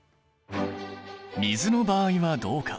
水の場合はどうか？